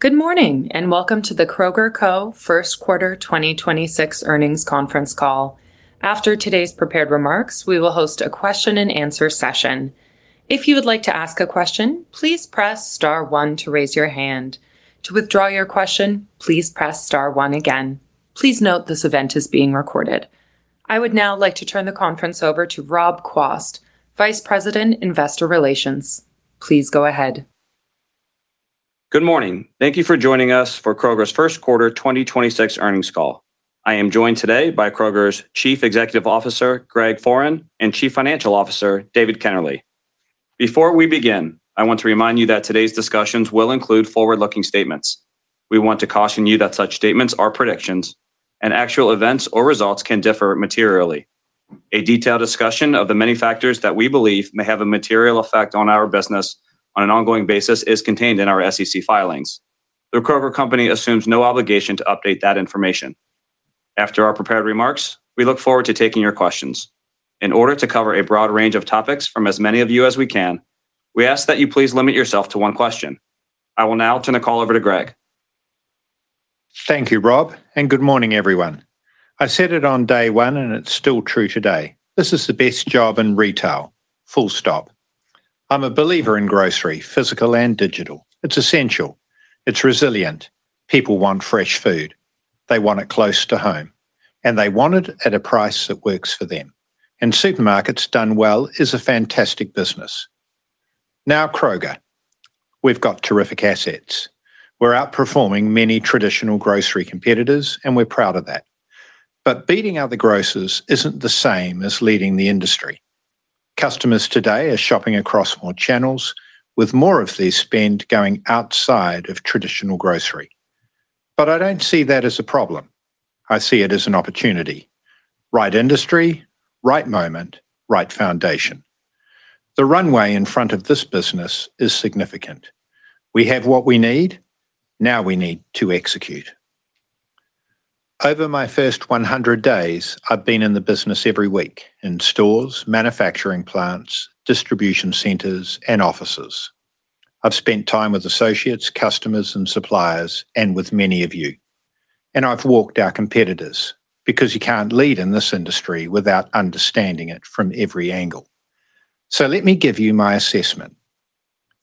Good morning, welcome to The Kroger Co first quarter 2026 earnings conference call. After today's prepared remarks, we will host a question and answer session. If you would like to ask a question, please press star one to raise your hand. To withdraw your question, please press star one again. Please note this event is being recorded. I would now like to turn the conference over to Rob Quast, Vice President, Investor Relations. Please go ahead. Good morning. Thank you for joining us for Kroger's first quarter 2026 earnings call. I am joined today by Kroger's Chief Executive Officer, Greg Foran, and Chief Financial Officer, David Kennerley. Before we begin, I want to remind you that today's discussions will include forward-looking statements. We want to caution you that such statements are predictions and actual events or results can differ materially. A detailed discussion of the many factors that we believe may have a material effect on our business on an ongoing basis is contained in our SEC filings. The Kroger Company assumes no obligation to update that information. After our prepared remarks, we look forward to taking your questions. In order to cover a broad range of topics from as many of you as we can, we ask that you please limit yourself to one question. I will now turn the call over to Greg. Thank you, Rob, good morning, everyone. I said it on day one, and it's still true today. This is the best job in retail, full stop. I'm a believer in grocery, physical and digital. It's essential. It's resilient. People want fresh food. They want it close to home, and they want it at a price that works for them. Supermarkets done well is a fantastic business. Kroger, we've got terrific assets. We're outperforming many traditional grocery competitors, and we're proud of that. Beating other grocers isn't the same as leading the industry. Customers today are shopping across more channels with more of their spend going outside of traditional grocery. I don't see that as a problem, I see it as an opportunity. Right industry, right moment, right foundation. The runway in front of this business is significant. We have what we need. We need to execute. Over my first 100 days, I've been in the business every week in stores, manufacturing plants, distribution centers, and offices. I've spent time with associates, customers, and suppliers, and with many of you. I've walked our competitors, because you can't lead in this industry without understanding it from every angle. Let me give you my assessment.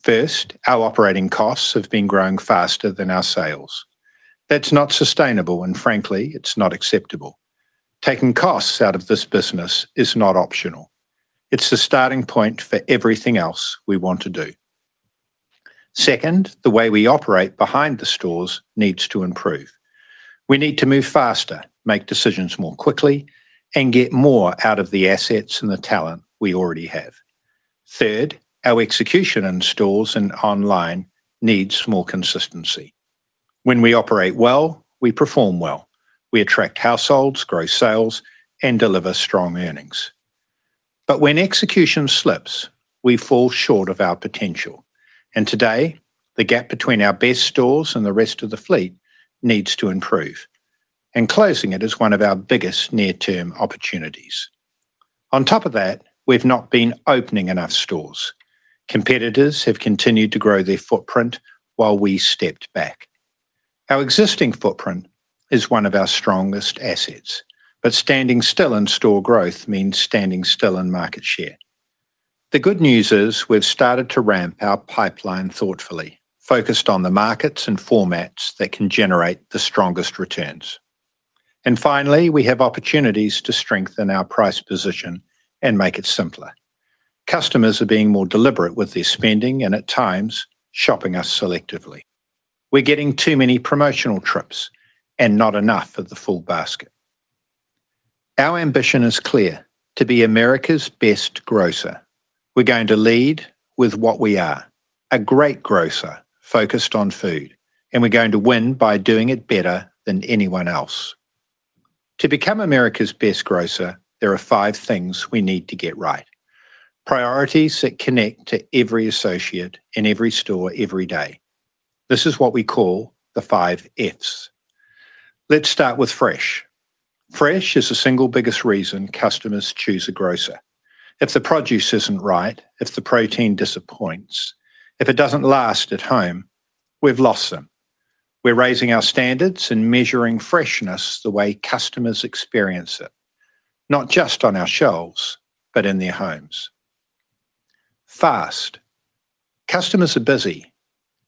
First, our operating costs have been growing faster than our sales. That's not sustainable, and frankly, it's not acceptable. Taking costs out of this business is not optional. It's the starting point for everything else we want to do. Second, the way we operate behind the stores needs to improve. We need to move faster, make decisions more quickly, and get more out of the assets and the talent we already have. Third, our execution in stores and online needs more consistency. When we operate well, we perform well. We attract households, grow sales, and deliver strong earnings. When execution slips, we fall short of our potential. Today, the gap between our best stores and the rest of the fleet needs to improve. Closing it is one of our biggest near-term opportunities. On top of that, we've not been opening enough stores. Competitors have continued to grow their footprint while we stepped back. Our existing footprint is one of our strongest assets, but standing still in store growth means standing still in market share. The good news is we've started to ramp our pipeline thoughtfully, focused on the markets and formats that can generate the strongest returns. Finally, we have opportunities to strengthen our price position and make it simpler. Customers are being more deliberate with their spending and, at times, shopping us selectively. We're getting too many promotional trips and not enough of the full basket. Our ambition is clear, to be America's best grocer. We're going to lead with what we are, a great grocer focused on food, and we're going to win by doing it better than anyone else. To become America's best grocer, there are five things we need to get right. Priorities that connect to every associate in every store, every day. This is what we call the five Fs. Let's start with fresh. Fresh is the single biggest reason customers choose a grocer. If the produce isn't right, if the protein disappoints, if it doesn't last at home, we've lost them. We're raising our standards and measuring freshness the way customers experience it, not just on our shelves, but in their homes. Fast. Customers are busy.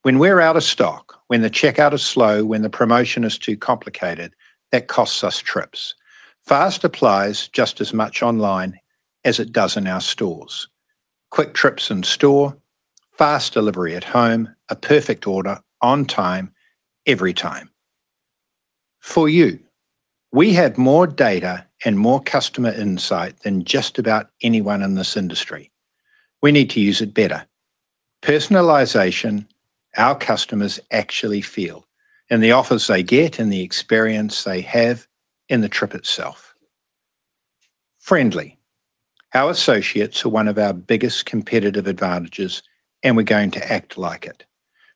When we're out of stock, when the checkout is slow, when the promotion is too complicated, that costs us trips. Fast applies just as much online as it does in our stores. Quick trips in store, fast delivery at home, a perfect order on time, every time. For you. We have more data and more customer insight than just about anyone in this industry. We need to use it better. Personalization our customers actually feel, in the offers they get, in the experience they have, in the trip itself. Friendly. Our associates are one of our biggest competitive advantages, and we're going to act like it.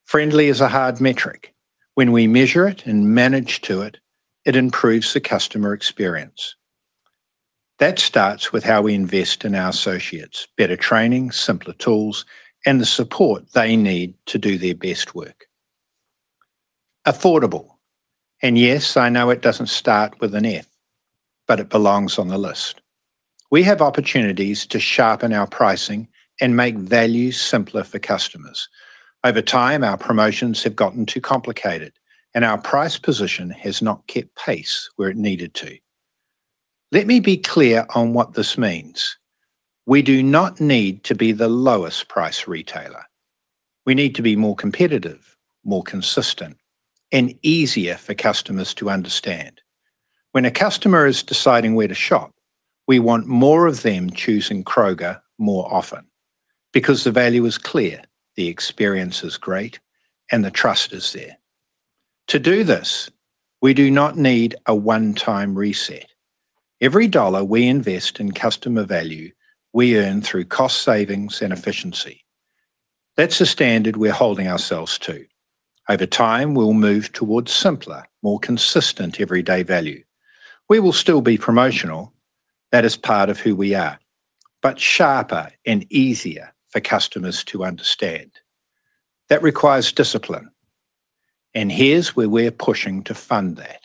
Friendly is a hard metric. When we measure it and manage to it improves the customer experience. That starts with how we invest in our associates, better training, simpler tools, and the support they need to do their best work. Affordable, and yes, I know it doesn't start with an F, but it belongs on the list. We have opportunities to sharpen our pricing and make value simpler for customers. Over time, our promotions have gotten too complicated, and our price position has not kept pace where it needed to. Let me be clear on what this means. We do not need to be the lowest price retailer. We need to be more competitive, more consistent, and easier for customers to understand. When a customer is deciding where to shop, we want more of them choosing Kroger more often because the value is clear, the experience is great, and the trust is there. To do this, we do not need a one-time reset. Every dollar we invest in customer value, we earn through cost savings and efficiency. That's the standard we're holding ourselves to. Over time, we'll move towards simpler, more consistent, everyday value. We will still be promotional, that is part of who we are, but sharper and easier for customers to understand. That requires discipline, and here's where we're pushing to fund that.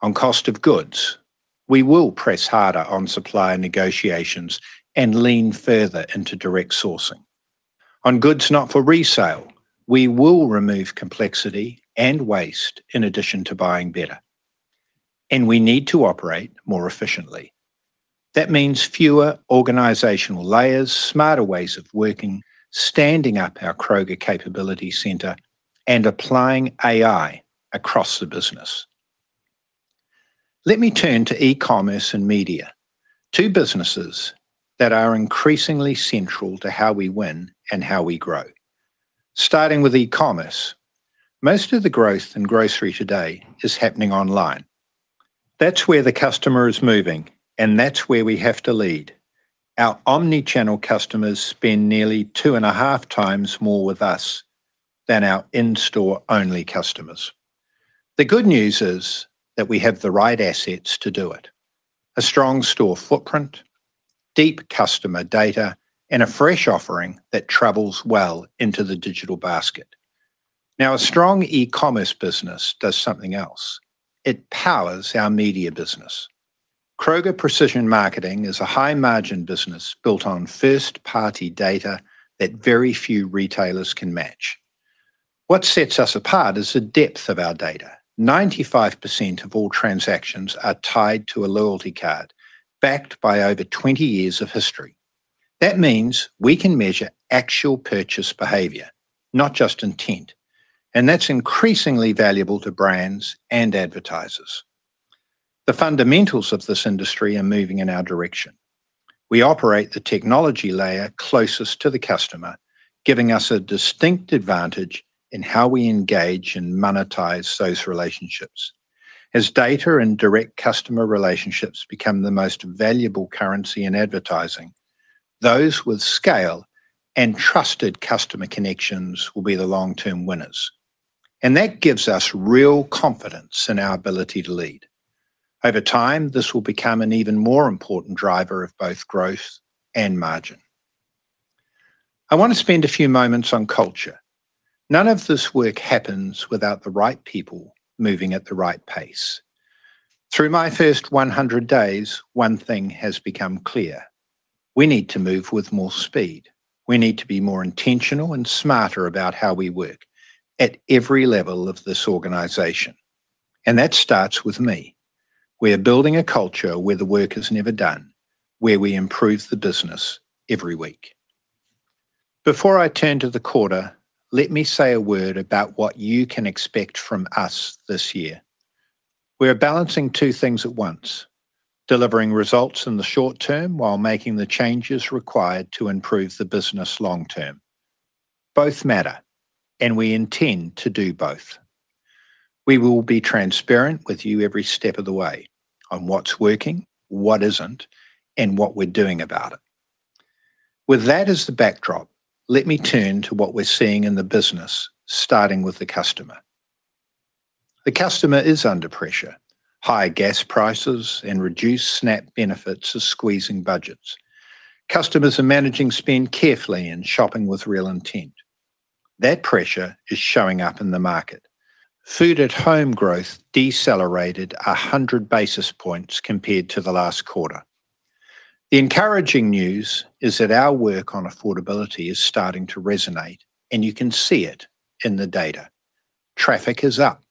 On cost of goods, we will press harder on supplier negotiations and lean further into direct sourcing. On goods not for resale, we will remove complexity and waste in addition to buying better, and we need to operate more efficiently. That means fewer organizational layers, smarter ways of working, standing up our Kroger Capability Center, and applying AI across the business. Let me turn to eCommerce and media, two businesses that are increasingly central to how we win and how we grow. Starting with eCommerce, most of the growth in grocery today is happening online. That's where the customer is moving, and that's where we have to lead. Our omni-channel customers spend nearly 2.5x more with us than our in-store-only customers. The good news is that we have the right assets to do it, a strong store footprint, deep customer data, and a fresh offering that travels well into the digital basket. Now, a strong eCommerce business does something else. It powers our media business. Kroger Precision Marketing is a high-margin business built on first-party data that very few retailers can match. What sets us apart is the depth of our data. 95% of all transactions are tied to a loyalty card backed by over 20 years of history. That means we can measure actual purchase behavior, not just intent, and that's increasingly valuable to brands and advertisers. The fundamentals of this industry are moving in our direction. We operate the technology layer closest to the customer, giving us a distinct advantage in how we engage and monetize those relationships. As data and direct customer relationships become the most valuable currency in advertising, those with scale and trusted customer connections will be the long-term winners. That gives us real confidence in our ability to lead. Over time, this will become an even more important driver of both growth and margin. I want to spend a few moments on culture. None of this work happens without the right people moving at the right pace. Through my first 100 days, one thing has become clear. We need to move with more speed. We need to be more intentional and smarter about how we work at every level of this organization. That starts with me. We are building a culture where the work is never done, where we improve the business every week. Before I turn to the quarter, let me say a word about what you can expect from us this year. We are balancing two things at once, delivering results in the short term while making the changes required to improve the business long term. Both matter, and we intend to do both. We will be transparent with you every step of the way on what's working, what isn't, and what we're doing about it. With that as the backdrop, let me turn to what we're seeing in the business, starting with the customer. The customer is under pressure. High gas prices and reduced SNAP benefits are squeezing budgets. Customers are managing spend carefully and shopping with real intent. That pressure is showing up in the market. Food at home growth decelerated 100 basis points compared to the last quarter. The encouraging news is that our work on affordability is starting to resonate, and you can see it in the data. Traffic is up.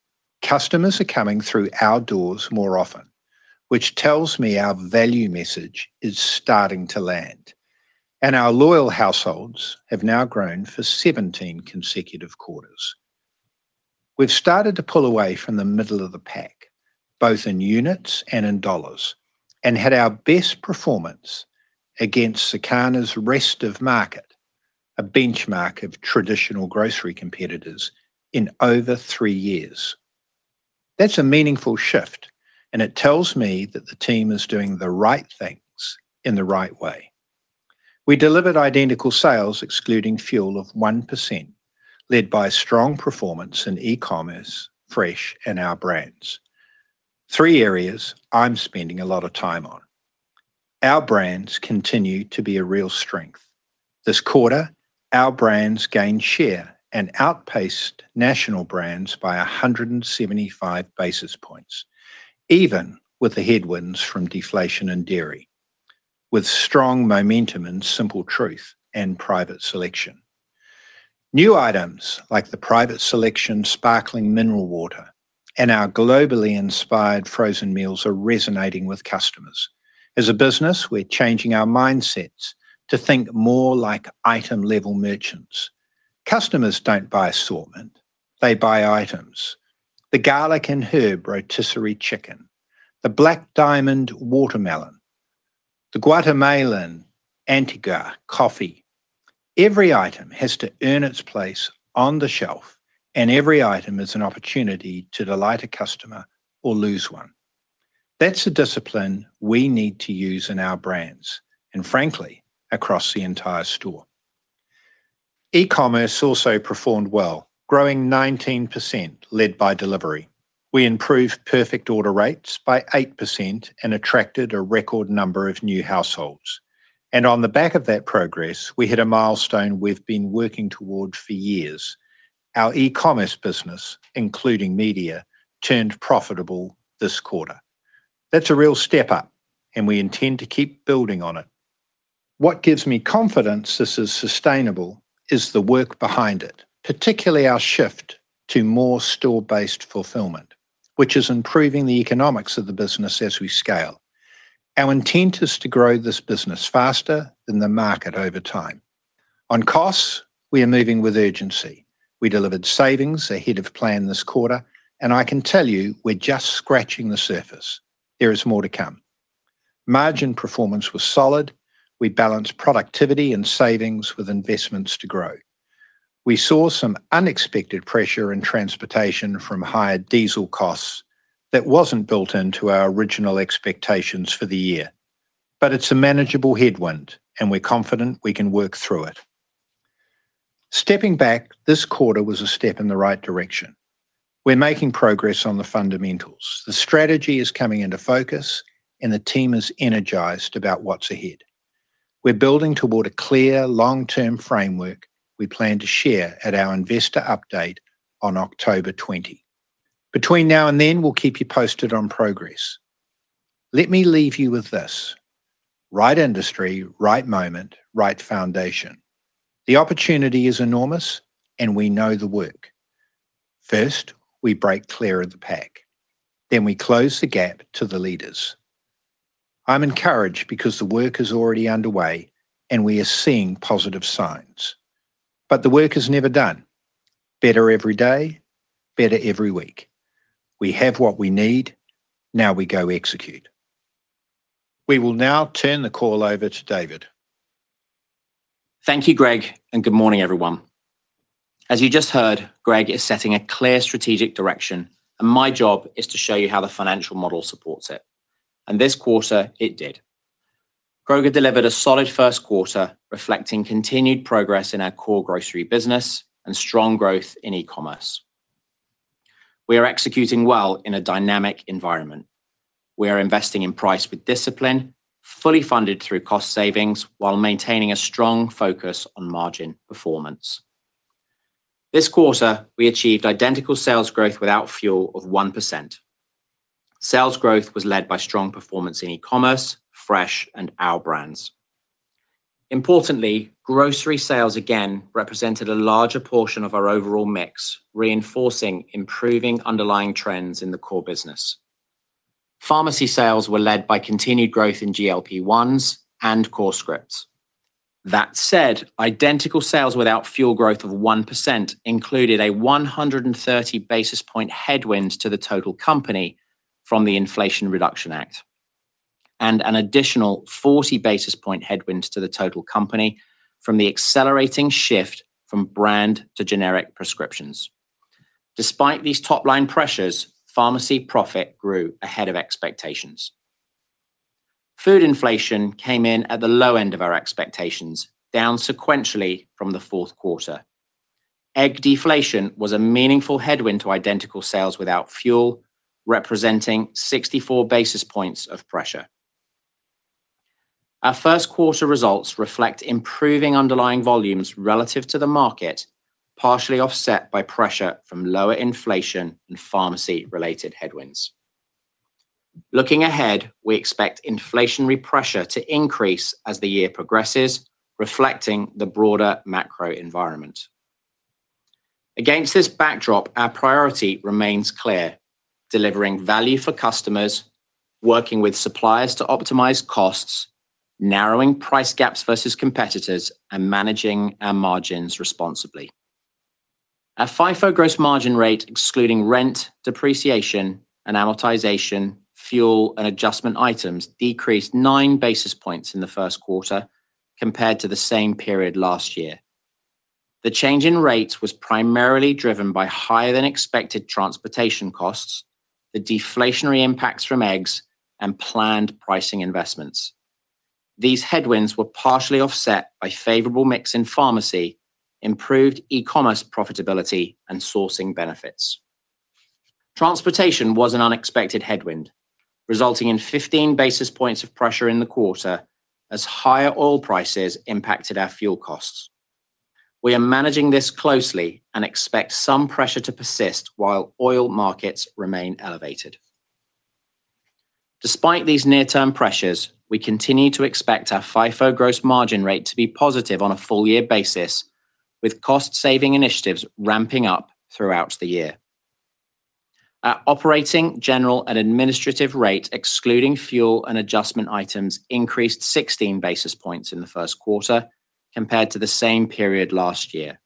Customers are coming through our doors more often, which tells me our value message is starting to land, and our loyal households have now grown for 17 consecutive quarters. We've started to pull away from the middle of the pack, both in units and in dollars, and had our best performance against Circana's Rest of Market, a benchmark of traditional grocery competitors in over three years. That's a meaningful shift, and it tells me that the team is doing the right things in the right way. We delivered identical sales excluding fuel of 1%, led by strong performance in eCommerce, fresh, and Our Brands. Three areas I'm spending a lot of time on. Our Brands continue to be a real strength. This quarter, Our Brands gained share and outpaced national brands by 175 basis points, even with the headwinds from deflation in dairy, with strong momentum in Simple Truth and Private Selection. New items like the Private Selection Sparkling Mineral Water and our globally-inspired frozen meals are resonating with customers. As a business, we're changing our mindsets to think more like item-level merchants. Customers don't buy assortment, they buy items. The Garlic and Herb Rotisserie Chicken, the Black Diamond Watermelon, the Guatemalan Antigua Coffee. Every item has to earn its place on the shelf, and every item is an opportunity to delight a customer or lose one. That's a discipline we need to use in Our Brands, and frankly, across the entire store. E-commerce also performed well, growing 19%, led by delivery. We improved perfect order rates by 8% and attracted a record number of new households. On the back of that progress, we hit a milestone we've been working toward for years. Our eCommerce business, including media, turned profitable this quarter. That's a real step up, and we intend to keep building on it. What gives me confidence this is sustainable is the work behind it, particularly our shift to more store-based fulfillment, which is improving the economics of the business as we scale. Our intent is to grow this business faster than the market over time. On costs, we are moving with urgency. We delivered savings ahead of plan this quarter, and I can tell you we're just scratching the surface. There is more to come. Margin performance was solid. We balanced productivity and savings with investments to grow. We saw some unexpected pressure in transportation from higher diesel costs that wasn't built into our original expectations for the year. It's a manageable headwind, and we're confident we can work through it. Stepping back, this quarter was a step in the right direction. We're making progress on the fundamentals. The strategy is coming into focus, and the team is energized about what's ahead. We're building toward a clear long-term framework we plan to share at our investor update on October 20. Between now and then, we'll keep you posted on progress. Let me leave you with this. Right industry, right moment, right foundation. The opportunity is enormous, and we know the work. First, we break clear of the pack. We close the gap to the leaders. I'm encouraged because the work is already underway, and we are seeing positive signs. The work is never done. Better every day, better every week. We have what we need. Now we go execute. We will now turn the call over to David. Thank you, Greg. Good morning, everyone. As you just heard, Greg is setting a clear strategic direction, my job is to show you how the financial model supports it. This quarter, it did. Kroger delivered a solid first quarter, reflecting continued progress in our core grocery business and strong growth in eCommerce. We are executing well in a dynamic environment. We are investing in price with discipline, fully funded through cost savings while maintaining a strong focus on margin performance. This quarter, we achieved identical sales growth without fuel of 1%. Sales growth was led by strong performance in eCommerce, fresh, and Our Brands. Importantly, grocery sales again represented a larger portion of our overall mix, reinforcing improving underlying trends in the core business. Pharmacy sales were led by continued growth in GLP-1s and core scripts. That said, identical sales without fuel growth of 1% included a 130 basis points headwind to the total company from the Inflation Reduction Act, an additional 40 basis points headwind to the total company from the accelerating shift from brand to generic prescriptions. Despite these top-line pressures, pharmacy profit grew ahead of expectations. Food inflation came in at the low end of our expectations, down sequentially from the fourth quarter. Egg deflation was a meaningful headwind to identical sales without fuel, representing 64 basis points of pressure. Our first quarter results reflect improving underlying volumes relative to the market, partially offset by pressure from lower inflation and pharmacy-related headwinds. Looking ahead, we expect inflationary pressure to increase as the year progresses, reflecting the broader macro environment. Against this backdrop, our priority remains clear, delivering value for customers, working with suppliers to optimize costs, narrowing price gaps versus competitors, and managing our margins responsibly. Our FIFO gross margin rate, excluding rent, depreciation, and amortization, fuel, and adjustment items, decreased 9 basis points in the first quarter compared to the same period last year. The change in rates was primarily driven by higher-than-expected transportation costs, the deflationary impacts from eggs, planned pricing investments. These headwinds were partially offset by favorable mix in pharmacy, improved eCommerce profitability, sourcing benefits. Transportation was an unexpected headwind, resulting in 15 basis points of pressure in the quarter as higher oil prices impacted our fuel costs. We are managing this closely and expect some pressure to persist while oil markets remain elevated. Despite these near-term pressures, we continue to expect our FIFO gross margin rate to be positive on a full-year basis, with cost-saving initiatives ramping up throughout the year. Our operating, general, and administrative rate, excluding fuel and adjustment items, increased 16 basis points in the first quarter compared to the same period last year.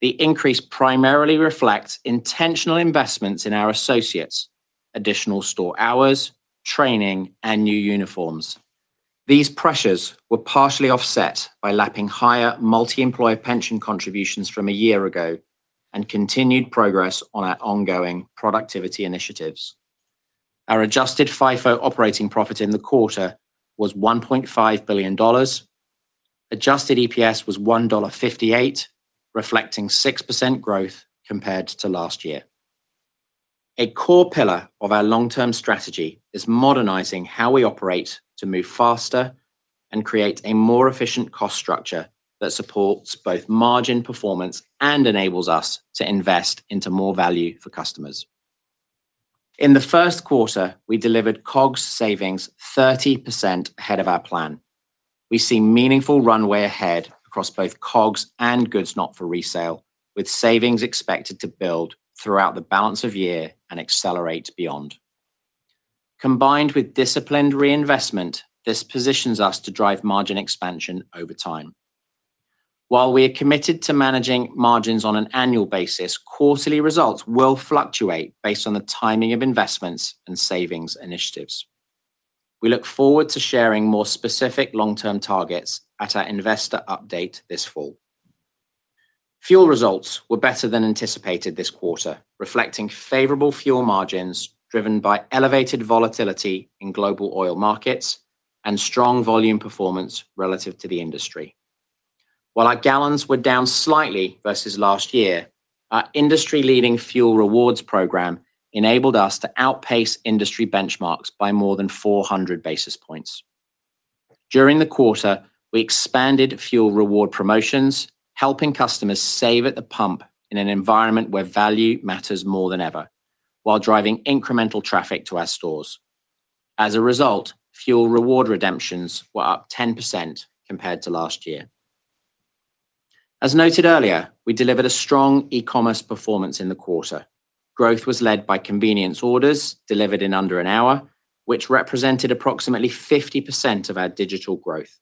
The increase primarily reflects intentional investments in our associates, additional store hours, training, and new uniforms. These pressures were partially offset by lapping higher multi-employer pension contributions from a year ago and continued progress on our ongoing productivity initiatives. Our adjusted FIFO operating profit in the quarter was $1.5 billion. Adjusted EPS was $1.58, reflecting 6% growth compared to last year. A core pillar of our long-term strategy is modernizing how we operate to move faster and create a more efficient cost structure that supports both margin performance and enables us to invest into more value for customers. In the first quarter, we delivered COGS savings 30% ahead of our plan. We see meaningful runway ahead across both COGS and goods not for resale, with savings expected to build throughout the balance of year and accelerate beyond. Combined with disciplined reinvestment, this positions us to drive margin expansion over time. While we are committed to managing margins on an annual basis, quarterly results will fluctuate based on the timing of investments and savings initiatives. We look forward to sharing more specific long-term targets at our investor update this fall. Fuel results were better than anticipated this quarter, reflecting favorable fuel margins driven by elevated volatility in global oil markets and strong volume performance relative to the industry. While our gallons were down slightly versus last year, our industry-leading fuel rewards program enabled us to outpace industry benchmarks by more than 400 basis points. During the quarter, we expanded fuel reward promotions, helping customers save at the pump in an environment where value matters more than ever while driving incremental traffic to our stores. As a result, fuel reward redemptions were up 10% compared to last year. As noted earlier, we delivered a strong eCommerce performance in the quarter. Growth was led by convenience orders delivered in under an hour, which represented approximately 50% of our digital growth.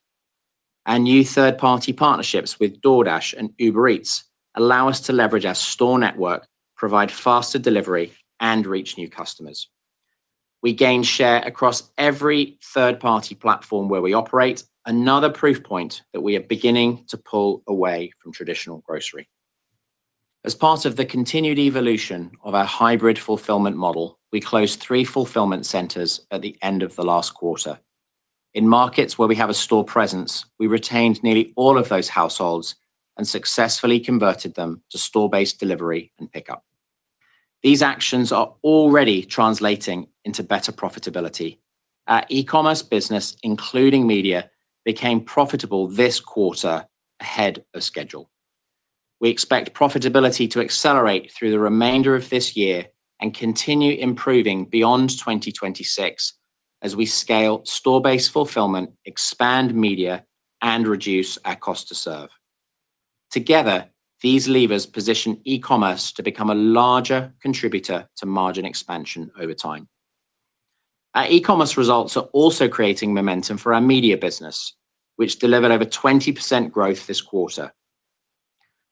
Our new third-party partnerships with DoorDash and Uber Eats allow us to leverage our store network, provide faster delivery, and reach new customers. We gained share across every third-party platform where we operate, another proof point that we are beginning to pull away from traditional grocery. As part of the continued evolution of our hybrid fulfillment model, we closed three fulfillment centers at the end of the last quarter. In markets where we have a store presence, we retained nearly all of those households and successfully converted them to store-based delivery and pickup. These actions are already translating into better profitability. Our eCommerce business, including media, became profitable this quarter ahead of schedule. We expect profitability to accelerate through the remainder of this year and continue improving beyond 2026 as we scale store-based fulfillment, expand media, and reduce our cost to serve. Together, these levers position eCommerce to become a larger contributor to margin expansion over time. Our eCommerce results are also creating momentum for our media business, which delivered over 20% growth this quarter.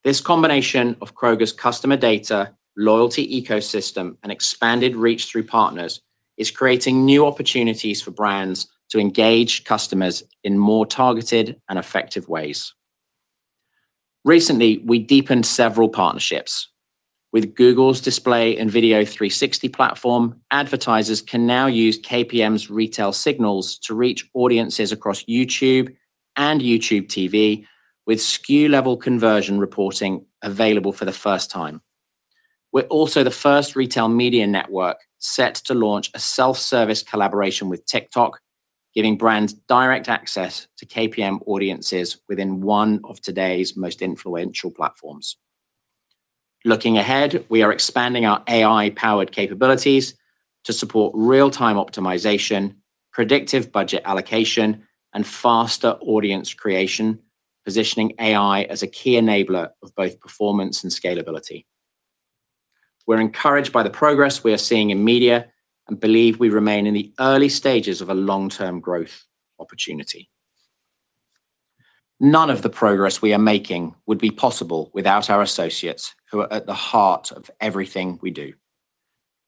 This combination of Kroger's customer data, loyalty ecosystem, and expanded reach through partners is creating new opportunities for brands to engage customers in more targeted and effective ways. Recently, we deepened several partnerships. With Google's Display & Video 360 platform, advertisers can now use KPM's retail signals to reach audiences across YouTube and YouTube TV, with SKU-level conversion reporting available for the first time. We're also the first retail media network set to launch a self-service collaboration with TikTok, giving brands direct access to KPM audiences within one of today's most influential platforms. Looking ahead, we are expanding our AI-powered capabilities to support real-time optimization, predictive budget allocation, and faster audience creation, positioning AI as a key enabler of both performance and scalability. We're encouraged by the progress we are seeing in media and believe we remain in the early stages of a long-term growth opportunity. None of the progress we are making would be possible without our associates, who are at the heart of everything we do.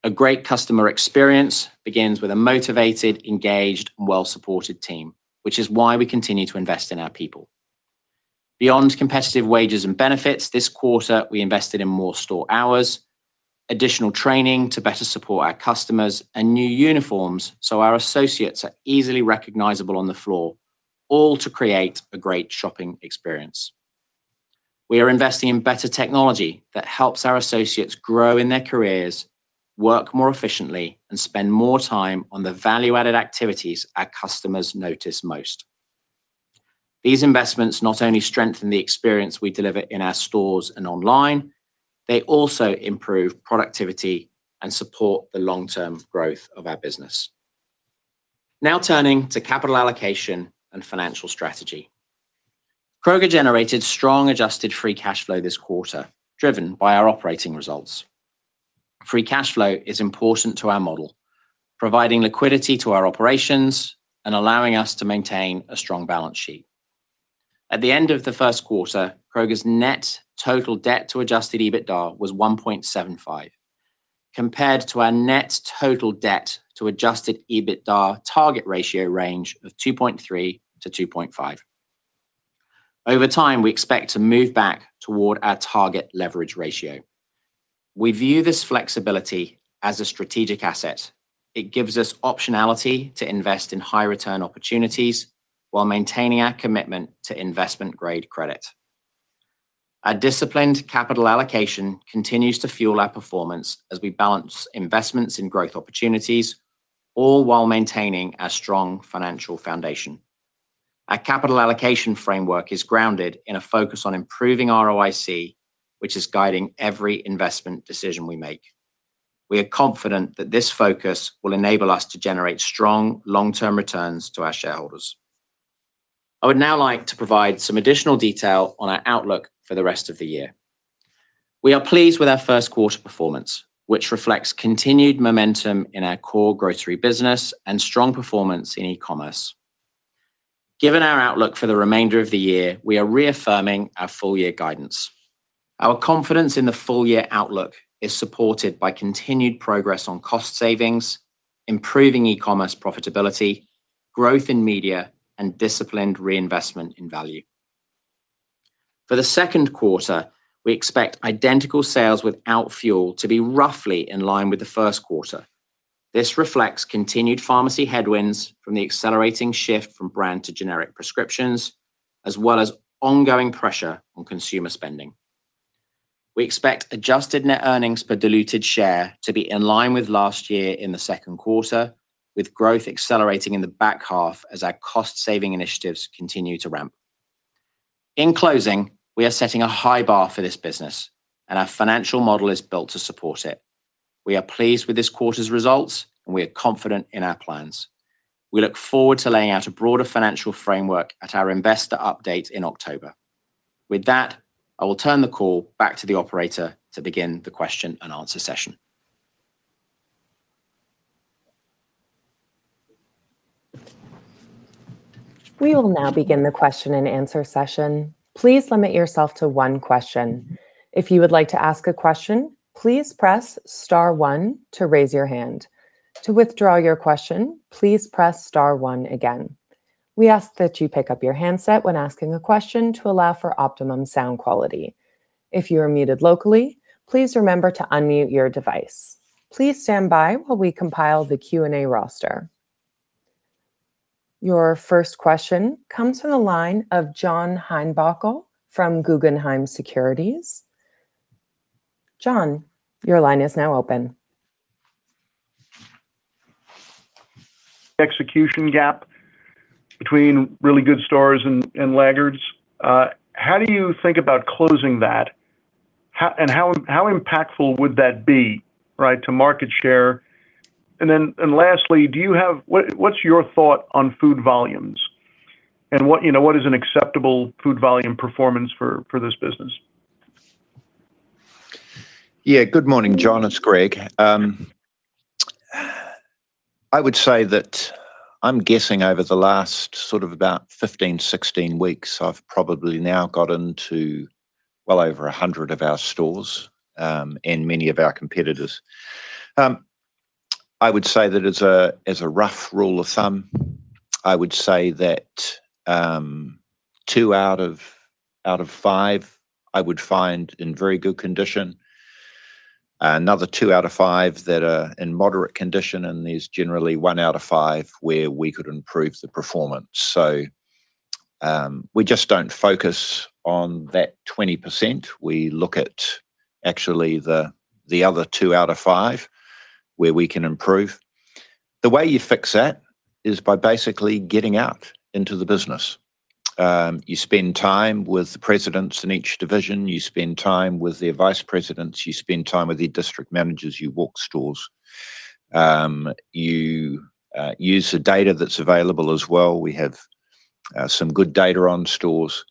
A great customer experience begins with a motivated, engaged, and well-supported team, which is why we continue to invest in our people. Beyond competitive wages and benefits, this quarter, we invested in more store hours, additional training to better support our customers, and new uniforms so our associates are easily recognizable on the floor, all to create a great shopping experience. We are investing in better technology that helps our associates grow in their careers, work more efficiently, and spend more time on the value-added activities our customers notice most. These investments not only strengthen the experience we deliver in our stores and online, they also improve productivity and support the long-term growth of our business. Turning to capital allocation and financial strategy. Kroger generated strong adjusted free cash flow this quarter, driven by our operating results. Free cash flow is important to our model, providing liquidity to our operations and allowing us to maintain a strong balance sheet. At the end of the first quarter, Kroger's net total debt to adjusted EBITDA was 1.75x, compared to our net total debt to adjusted EBITDA target ratio range of 2.3x-2.5x. Over time, we expect to move back toward our target leverage ratio. We view this flexibility as a strategic asset. It gives us optionality to invest in high-return opportunities while maintaining our commitment to investment-grade credit. Our disciplined capital allocation continues to fuel our performance as we balance investments in growth opportunities, all while maintaining a strong financial foundation. Our capital allocation framework is grounded in a focus on improving ROIC, which is guiding every investment decision we make. We are confident that this focus will enable us to generate strong long-term returns to our shareholders. I would now like to provide some additional detail on our outlook for the rest of the year. We are pleased with our first quarter performance, which reflects continued momentum in our core grocery business and strong performance in eCommerce. Given our outlook for the remainder of the year, we are reaffirming our full year guidance. Our confidence in the full-year outlook is supported by continued progress on cost savings, improving eCommerce profitability, growth in media, and disciplined reinvestment in value. For the second quarter, we expect identical sales without fuel to be roughly in line with the first quarter. This reflects continued pharmacy headwinds from the accelerating shift from brand to generic prescriptions, as well as ongoing pressure on consumer spending. We expect adjusted net earnings per diluted share to be in line with last year in the second quarter, with growth accelerating in the back half as our cost-saving initiatives continue to ramp. In closing, we are setting a high bar for this business and our financial model is built to support it. We are pleased with this quarter's results and we are confident in our plans. We look forward to laying out a broader financial framework at our investor update in October. With that, I will turn the call back to the operator to begin the question and answer session. We will now begin the question and answer session. Please limit yourself to one question. If you would like to ask a question, please press star one to raise your hand. To withdraw your question, please press star one again. We ask that you pick up your handset when asking a question to allow for optimum sound quality. If you are muted locally, please remember to unmute your device. Please stand by while we compile the Q&A roster. Your first question comes from the line of John Heinbockel from Guggenheim Securities. John, your line is now open. Execution gap between really good stores and laggards, how do you think about closing that? How impactful would that be to market share? Lastly, what's your thought on food volumes? What is an acceptable food volume performance for this business? Yeah. Good morning, John. It's Greg. I would say that I'm guessing over the last sort of about 15-16 weeks, I've probably now gotten to well over 100 of our stores, and many of our competitors. I would say that as a rough rule of thumb, I would say that two out of five I would find in very good condition. Another two out of five that are in moderate condition, and there's generally one out of five where we could improve the performance. We just don't focus on that 20%. We look at actually the other two out of five where we can improve. The way you fix that is by basically getting out into the business. You spend time with the presidents in each division. You spend time with their vice presidents. You spend time with their district managers. You walk stores. You use the data that's available as well. We have some good data on stores.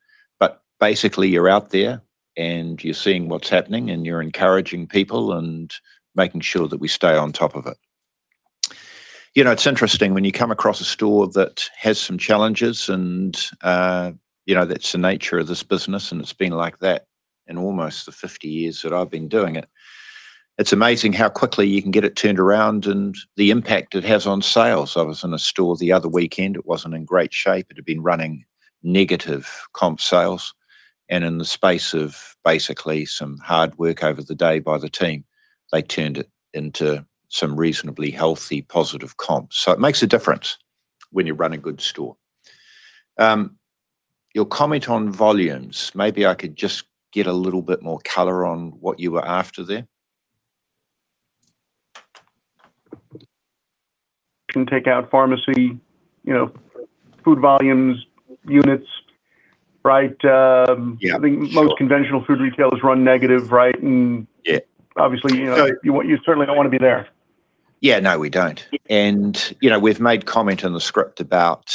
Basically, you're out there and you're seeing what's happening, and you're encouraging people and making sure that we stay on top of it. It's interesting when you come across a store that has some challenges, that's the nature of this business and it's been like that in almost the 50 years that I've been doing it. It's amazing how quickly you can get it turned around and the impact it has on sales. I was in a store the other weekend, it wasn't in great shape. It had been running negative comp sales and in the space of basically some hard work over the day by the team, they turned it into some reasonably healthy positive comps. It makes a difference when you run a good store. Your comment on volumes. Maybe I could just get a little bit more color on what you were after there. Can take out pharmacy, food volumes, units, right? Yeah. Sure. I think most conventional food retailers run negative, right? Yeah. Obviously, you certainly don't want to be there. Yeah, no, we don't. We've made comment in the script about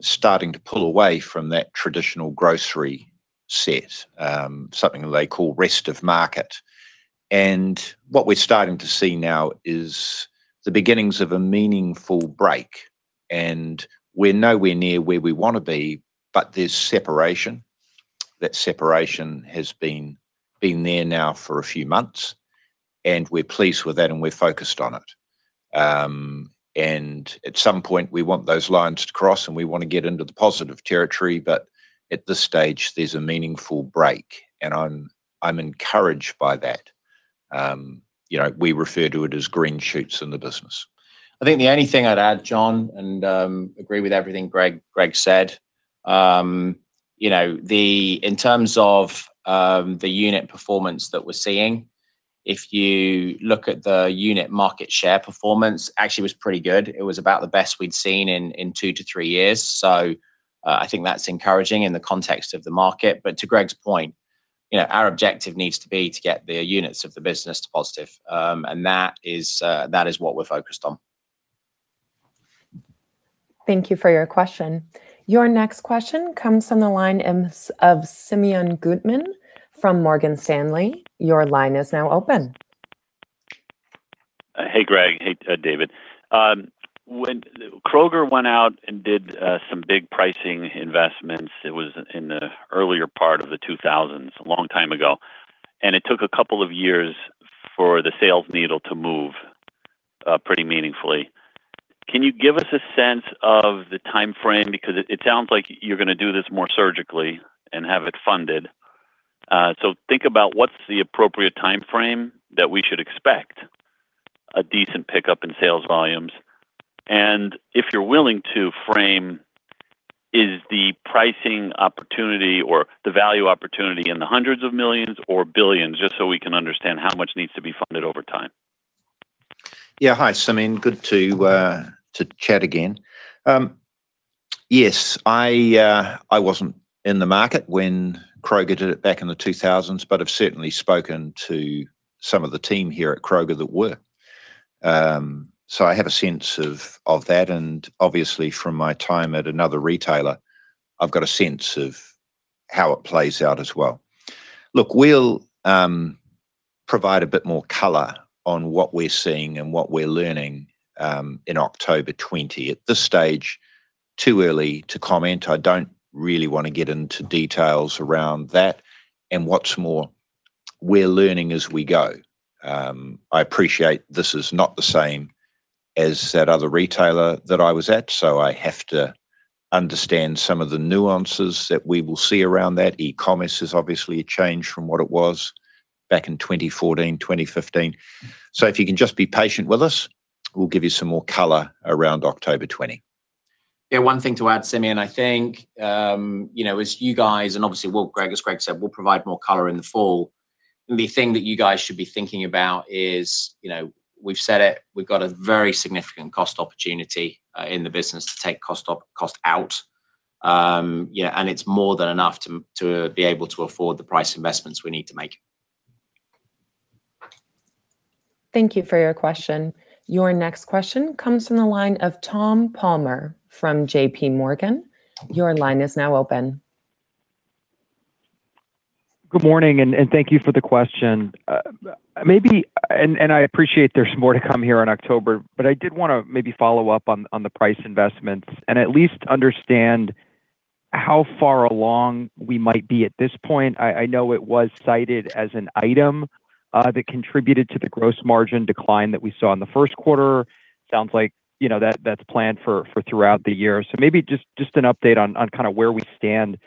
starting to pull away from that traditional grocery set, something that they call Rest of Market. What we're starting to see now is the beginnings of a meaningful break, and we're nowhere near where we want to be, but there's separation. That separation has been there now for a few months, and we're pleased with that and we're focused on it. At some point, we want those lines to cross, and we want to get into the positive territory. At this stage, there's a meaningful break, and I'm encouraged by that. We refer to it as green shoots in the business. I think the only thing I'd add, John, and agree with everything Greg said. In terms of the unit performance that we're seeing, if you look at the unit market share performance actually was pretty good. It was about the best we'd seen in two to three years. I think that's encouraging in the context of the market. To Greg's point, our objective needs to be to get the units of the business to positive. That is what we're focused on. Thank you for your question. Your next question comes from the line of Simeon Gutman from Morgan Stanley. Your line is now open. Hey, Greg. Hey, David. When Kroger went out and did some big pricing investments, it was in the earlier part of the 2000s, a long time ago. It took a couple of years for the sales needle to move pretty meaningfully. Can you give us a sense of the timeframe? Because it sounds like you're going to do this more surgically and have it funded. Think about what's the appropriate timeframe that we should expect a decent pickup in sales volumes. If you're willing to frame, is the pricing opportunity or the value opportunity in the hundreds of millions or billions, just so we can understand how much needs to be funded over time? Hi, Simeon. Good to chat again. Yes, I wasn't in the market when Kroger did it back in the 2000s, but I've certainly spoken to some of the team here at Kroger that were. I have a sense of that. Obviously, from my time at another retailer, I've got a sense of how it plays out as well. Look, we'll provide a bit more color on what we're seeing and what we're learning, in October 20. At this stage, too early to comment. I don't really want to get into details around that. What's more, we're learning as we go. I appreciate this is not the same as that other retailer that I was at, so I have to understand some of the nuances that we will see around that. E-commerce has obviously changed from what it was back in 2014, 2015. If you can just be patient with us, we'll give you some more color around October 20. One thing to add, Simeon, I think, as you guys and obviously, as Greg said, we'll provide more color in the fall. The thing that you guys should be thinking about is, we've said it, we've got a very significant cost opportunity in the business to take cost out. Yeah, it's more than enough to be able to afford the price investments we need to make. Thank you for your question. Your next question comes from the line of Tom Palmer from JPMorgan. Your line is now open. Good morning, thank you for the question. I appreciate there's more to come here in October, I did want to maybe follow up on the price investments and at least understand how far along we might be at this point. I know it was cited as an item that contributed to the gross margin decline that we saw in the first quarter. Sounds like that's planned for throughout the year. Maybe just an update on where we stand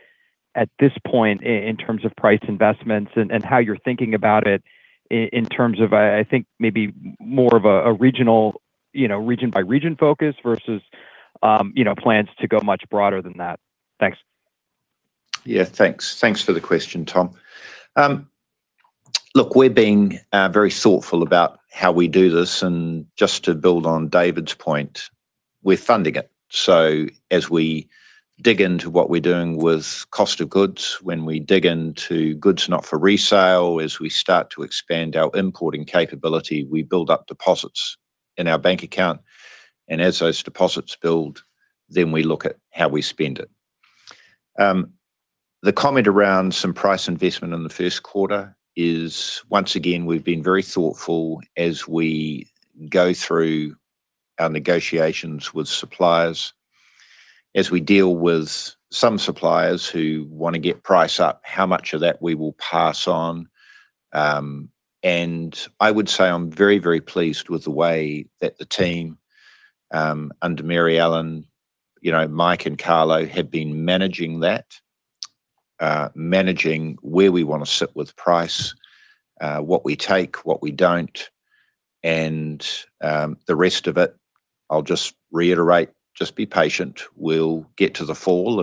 at this point in terms of price investments and how you're thinking about it in terms of, I think maybe more of a region-by-region focus versus plans to go much broader than that. Thanks. Yeah. Thanks for the question, Tom. Look, we're being very thoughtful about how we do this, just to build on David's point, we're funding it. As we dig into what we're doing with cost of goods, when we dig into goods not for resale, as we start to expand our importing capability, we build up deposits in our bank account. As those deposits build, then we look at how we spend it. The comment around some price investment in the first quarter is, once again, we've been very thoughtful as we go through our negotiations with suppliers, as we deal with some suppliers who want to get price up, how much of that we will pass on. I would say I'm very pleased with the way that the team under Mary Ellen, Mike, and Carlo have been managing that, managing where we want to sit with price, what we take, what we don't, and the rest of it. I'll just reiterate, just be patient. We'll get to the fall,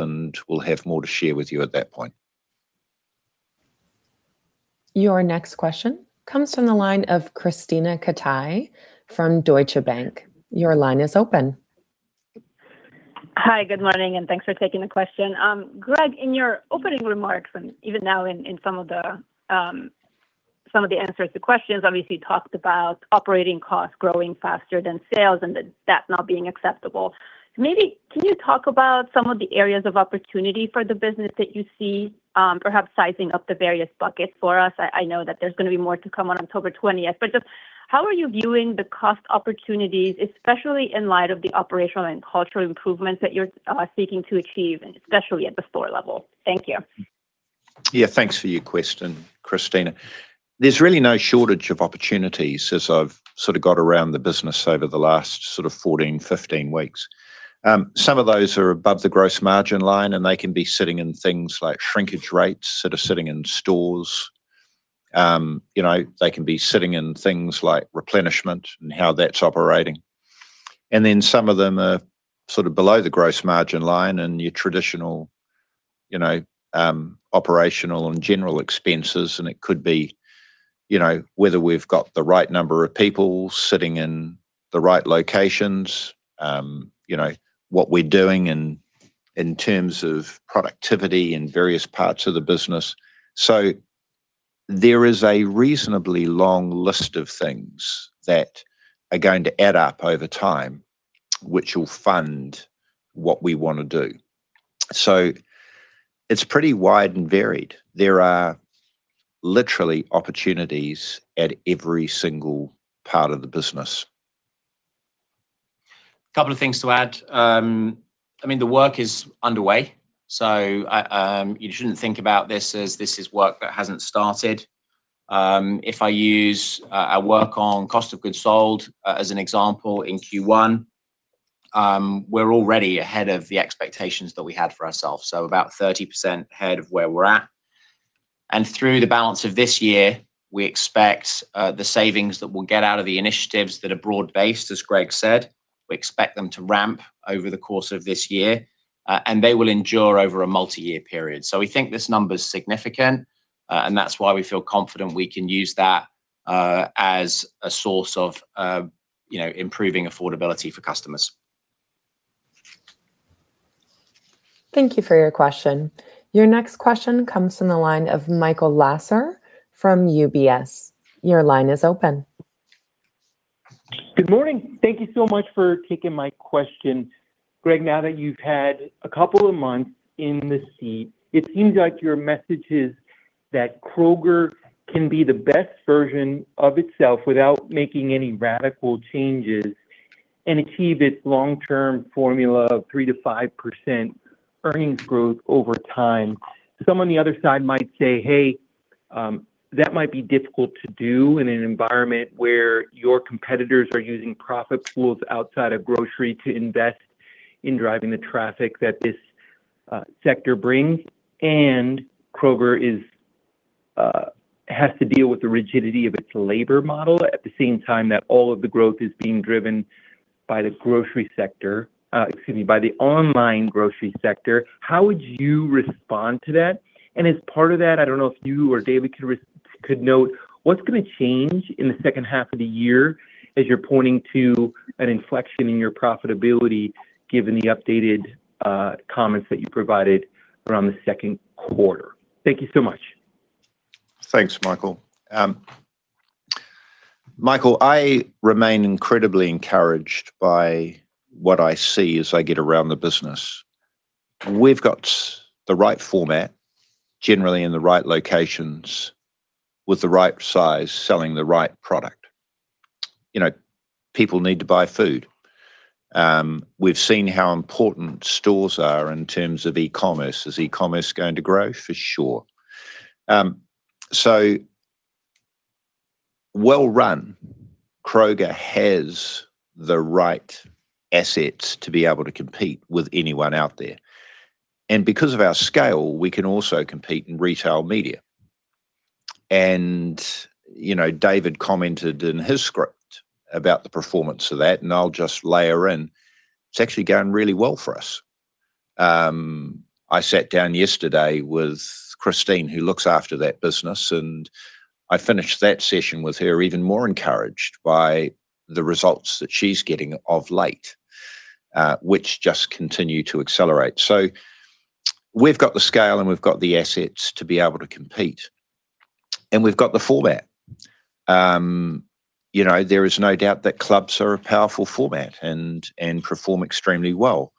we'll have more to share with you at that point. Your next question comes from the line of Krisztina Katai from Deutsche Bank. Your line is open. Hi, good morning. Thanks for taking the question. Greg, in your opening remarks, even now in some of the answers to questions, obviously, you talked about operating costs growing faster than sales and that not being acceptable. Maybe can you talk about some of the areas of opportunity for the business that you see, perhaps sizing up the various buckets for us? I know that there's going to be more to come on October 20th, just how are you viewing the cost opportunities, especially in light of the operational and cultural improvements that you're seeking to achieve, and especially at the store level? Thank you. Yeah. Thanks for your question, Krisztina. There's really no shortage of opportunities as I've sort of got around the business over the last 14-15 weeks. Some of those are above the gross margin line, they can be sitting in things like shrinkage rates, sort of sitting in stores. They can be sitting in things like replenishment and how that's operating. Then some of them are below the gross margin line and your traditional operational and general expenses, and it could be whether we've got the right number of people sitting in the right locations, what we're doing in terms of productivity in various parts of the business. There is a reasonably long list of things that are going to add up over time, which will fund what we want to do. It's pretty wide and varied. There are literally opportunities at every single part of the business. A couple of things to add. The work is underway, so you shouldn't think about this as this is work that hasn't started. If I use our work on cost of goods sold as an example in Q1, we're already ahead of the expectations that we had for ourselves, so about 30% ahead of where we're at. Through the balance of this year, we expect the savings that we'll get out of the initiatives that are broad-based, as Greg said, we expect them to ramp over the course of this year, and they will endure over a multi-year period. We think this number's significant, and that's why we feel confident we can use that as a source of improving affordability for customers. Thank you for your question. Your next question comes from the line of Michael Lasser from UBS. Your line is open. Good morning. Thank you so much for taking my question. Greg, now that you've had a couple of months in the seat, it seems like your message is that Kroger can be the best version of itself without making any radical changes and achieve its long-term formula of 3%-5% earnings growth over time. Someone on the other side might say, "Hey, that might be difficult to do in an environment where your competitors are using profit pools outside of grocery to invest in driving the traffic that this sector brings," and Kroger has to deal with the rigidity of its labor model at the same time that all of the growth is being driven by the online grocery sector. How would you respond to that? I don't know if you or David could note what's going to change in the second half of the year as you're pointing to an inflection in your profitability given the updated comments that you provided around the second quarter. Thank you so much. Thanks, Michael. Michael, I remain incredibly encouraged by what I see as I get around the business. We've got the right format, generally in the right locations with the right size, selling the right product. People need to buy food. We've seen how important stores are in terms of eCommerce. Is eCommerce going to grow? For sure. Well-run Kroger has the right assets to be able to compete with anyone out there. Because of our scale, we can also compete in retail media. David commented in his script about the performance of that, and I'll just layer in, it's actually going really well for us. I sat down yesterday with Christine, who looks after that business, and I finished that session with her even more encouraged by the results that she's getting of late, which just continue to accelerate. We've got the scale and we've got the assets to be able to compete. We've got the format. There is no doubt that clubs are a powerful format and perform extremely well.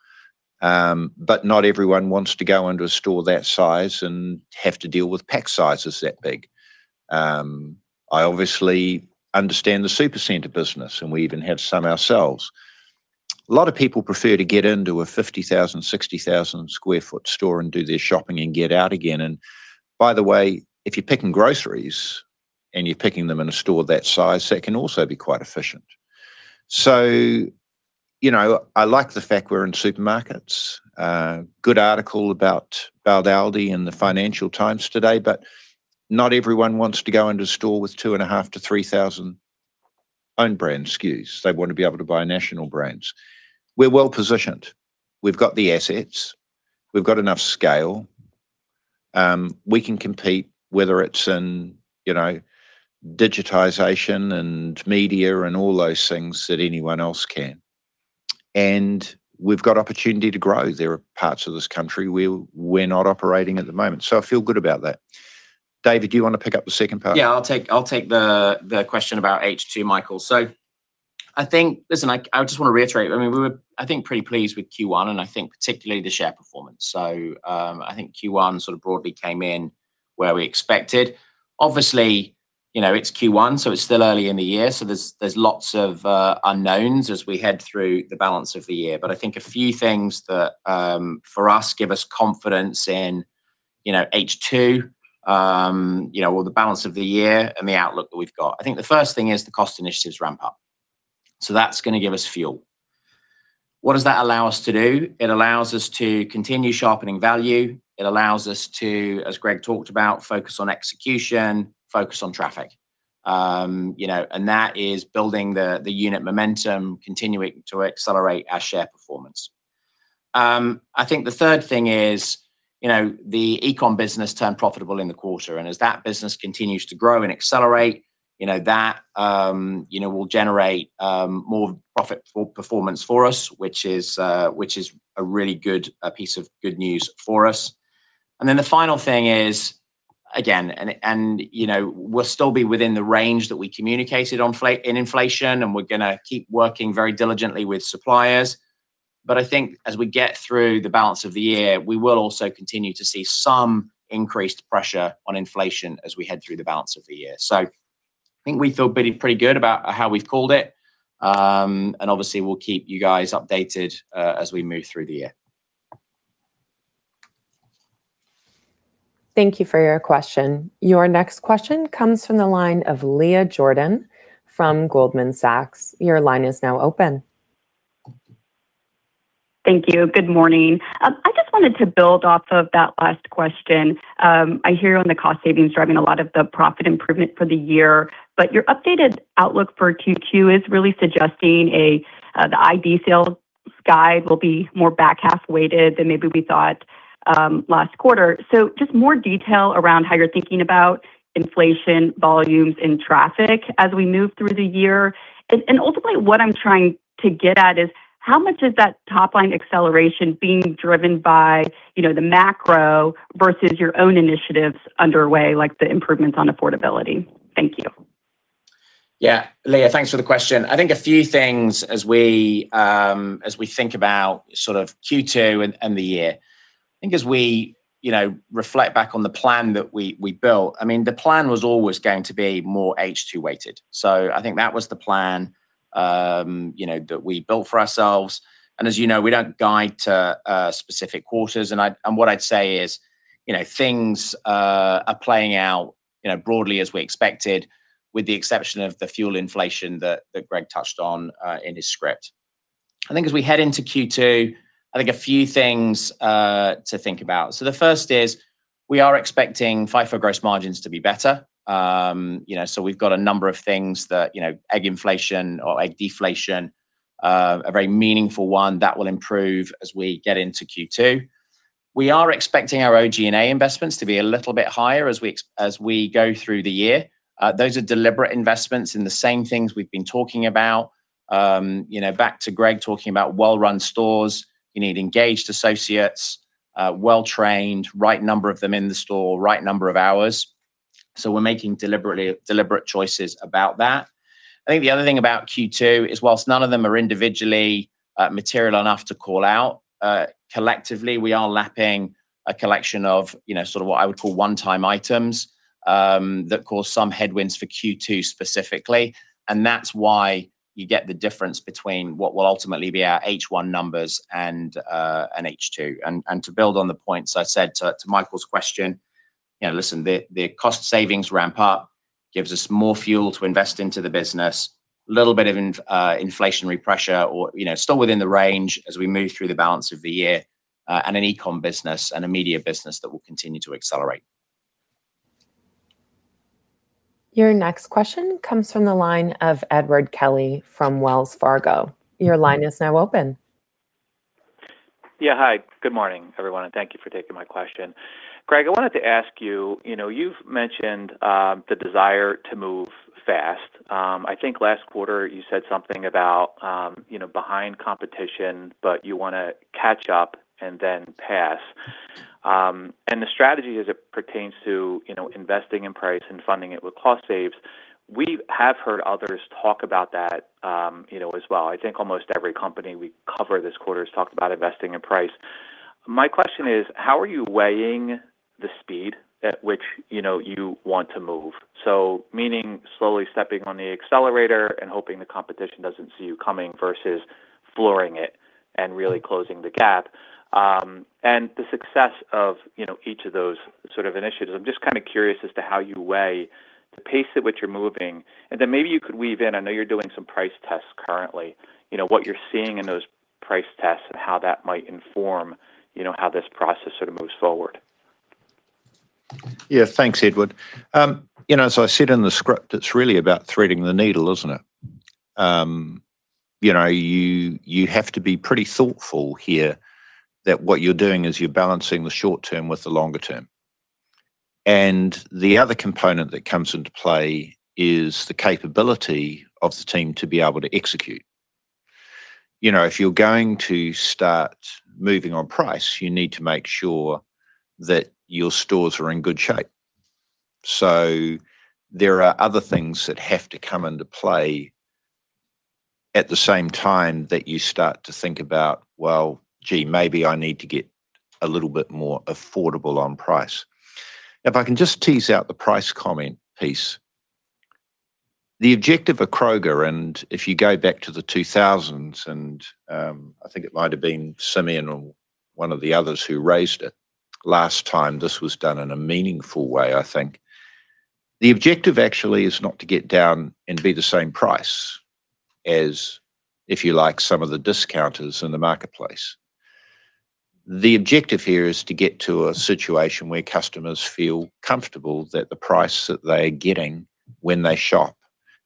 Not everyone wants to go into a store that size and have to deal with pack sizes that big. I obviously understand the supercenter business, and we even have some ourselves. A lot of people prefer to get into a 50,000-60,000 sq ft store and do their shopping and get out again. By the way, if you're picking groceries and you're picking them in a store that size, that can also be quite efficient. I like the fact we're in supermarkets. A good article about Aldi in the Financial Times today. Not everyone wants to go into a store with 2,500-3,000 own brand SKUs. They want to be able to buy national brands. We're well-positioned. We've got the assets, we've got enough scale. We can compete, whether it's in digitization and media and all those things that anyone else can. We've got opportunity to grow. There are parts of this country where we're not operating at the moment, so I feel good about that. David, do you want to pick up the second part? I'll take the question about H2, Michael. I just want to reiterate, we were pretty pleased with Q1, and I think particularly the share performance. I think Q1 sort of broadly came in where we expected. Obviously, it's Q1, so it's still early in the year, so there's lots of unknowns as we head through the balance of the year. I think a few things that for us give us confidence in H2, the balance of the year and the outlook that we've got. I think the first thing is the cost initiatives ramp-up. That's going to give us fuel. What does that allow us to do? It allows us to continue sharpening value. It allows us to, as Greg talked about, focus on execution, focus on traffic. That is building the unit momentum, continuing to accelerate our share performance. I think the third thing is the eCom business turned profitable in the quarter. As that business continues to grow and accelerate, that will generate more profitable performance for us, which is a really good piece of good news for us. The final thing is, again, we'll still be within the range that we communicated in inflation, and we're going to keep working very diligently with suppliers. I think as we get through the balance of the year, we will also continue to see some increased pressure on inflation as we head through the balance of the year. I think we feel pretty good about how we've called it. Obviously we'll keep you guys updated as we move through the year. Thank you for your question. Your next question comes from the line of Leah Jordan from Goldman Sachs. Your line is now open. Thank you. Good morning. I just wanted to build off of that last question. I hear on the cost savings driving a lot of the profit improvement for the year, but your updated outlook for Q2 is really suggesting the identical-store sales guide will be more back half weighted than maybe we thought last quarter. Just more detail around how you're thinking about inflation, volumes, and traffic as we move through the year. Ultimately, what I'm trying to get at is how much is that top-line acceleration being driven by the macro versus your own initiatives underway, like the improvements on affordability? Thank you. Leah, thanks for the question. I think a few things as we think about Q2 and the year. I think as we reflect back on the plan that we built, the plan was always going to be more H2 weighted. I think that was the plan that we built for ourselves. As you know, we don't guide to specific quarters, and what I'd say is, things are playing out broadly as we expected, with the exception of the fuel inflation that Greg touched on in his script. I think as we head into Q2, I think a few things to think about. The first is, we are expecting FIFO gross margins to be better. We've got a number of things, egg inflation or egg deflation, a very meaningful one, that will improve as we get into Q2. We are expecting our OG&A investments to be a little bit higher as we go through the year. Those are deliberate investments in the same things we've been talking about. Back to Greg talking about well-run stores, you need engaged associates, well trained, right number of them in the store, right number of hours. We're making deliberate choices about that. I think the other thing about Q2 is whilst none of them are individually material enough to call out, collectively, we are lapping a collection of what I would call one-time items, that cause some headwinds for Q2 specifically. That's why you get the difference between what will ultimately be our H1 numbers and H2. To build on the points I said to Michael's question, listen, the cost savings ramp-up gives us more fuel to invest into the business. A little bit of inflationary pressure still within the range as we move through the balance of the year, and an eCom business and a media business that will continue to accelerate. Your next question comes from the line of Edward Kelly from Wells Fargo. Your line is now open. Yeah. Hi. Good morning, everyone, and thank you for taking my question. Greg, I wanted to ask you've mentioned the desire to move fast. I think last quarter you said something about behind competition, but you want to catch up and then pass. The strategy as it pertains to investing in price and funding it with cost saves, we have heard others talk about that as well. I think almost every company we cover this quarter has talked about investing in price. My question is, how are you weighing the speed at which you want to move? Meaning slowly stepping on the accelerator and hoping the competition doesn't see you coming versus flooring it and really closing the gap. The success of each of those sort of initiatives. I'm just kind of curious as to how you weigh the pace at which you're moving. Then maybe you could weave in, I know you're doing some price tests currently, what you're seeing in those price tests and how that might inform how this process sort of moves forward. Yeah, thanks, Edward. As I said in the script, it's really about threading the needle, isn't it? You have to be pretty thoughtful here that what you're doing is you're balancing the short term with the longer term. The other component that comes into play is the capability of the team to be able to execute. If you're going to start moving on price, you need to make sure that your stores are in good shape. There are other things that have to come into play at the same time that you start to think about, well, gee, maybe I need to get a little bit more affordable on price. If I can just tease out the price comment piece. The objective of Kroger, if you go back to the 2000s, I think it might've been Simeon or one of the others who raised it last time this was done in a meaningful way, I think. The objective actually is not to get down and be the same price as, if you like, some of the discounters in the marketplace. The objective here is to get to a situation where customers feel comfortable that the price that they're getting when they shop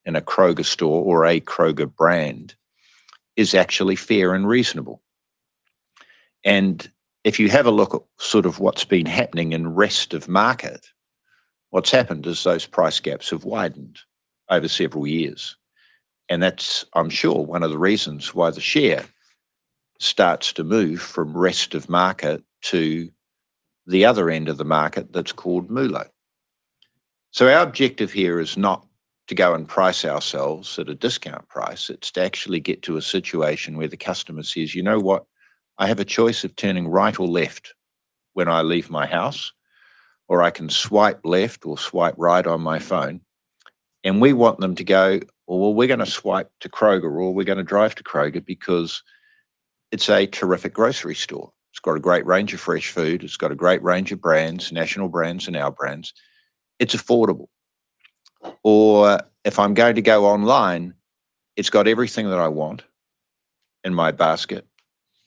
in a Kroger store or a Kroger brand is actually fair and reasonable. If you have a look at sort of what's been happening in Rest of Market, what's happened is those price gaps have widened over several years. That's, I'm sure, one of the reasons why the share starts to move from Rest of Market to the other end of the market that's called MULO. Our objective here is not to go and price ourselves at a discount price. It's to actually get to a situation where the customer says, "You know what? I have a choice of turning right or left when I leave my house, or I can swipe left or swipe right on my phone." We want them to go, "Well, we're going to swipe to Kroger, or we're going to drive to Kroger because it's a terrific grocery store. It's got a great range of fresh food. It's got a great range of brands, national brands, and Our Brands. It's affordable." "If I'm going to go online, it's got everything that I want in my basket.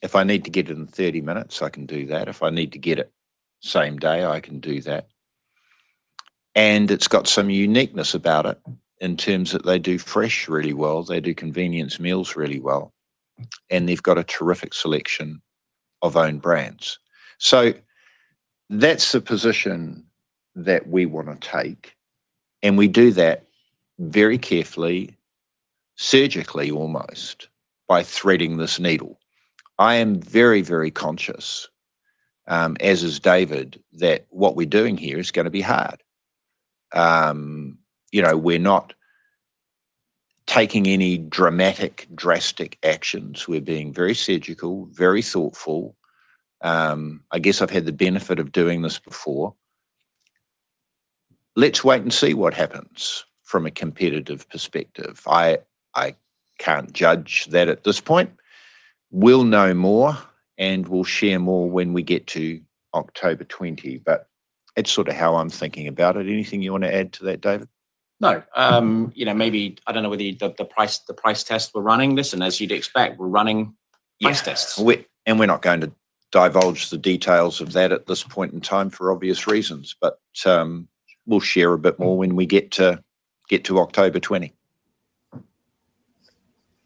If I need to get it in 30 minutes, I can do that. If I need to get it same day, I can do that." It's got some uniqueness about it in terms of they do fresh really well, they do convenience meals really well, and they've got a terrific selection of own brands. That's the position that we want to take, and we do that very carefully, surgically almost, by threading this needle. I am very conscious, as is David, that what we're doing here is going to be hard. We're not taking any dramatic, drastic actions. We're being very surgical, very thoughtful. I guess I've had the benefit of doing this before. Let's wait and see what happens from a competitive perspective. I can't judge that at this point. We'll know more, and we'll share more when we get to October 20. It's sort of how I'm thinking about it. Anything you want to add to that, David? No. I don't know whether the price tests we're running this, and as you'd expect, we're running price tests. We're not going to divulge the details of that at this point in time for obvious reasons. We'll share a bit more when we get to October 20.